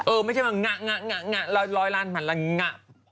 เออไม่ใช่ว่างะร้อยล้านพันล้านงะ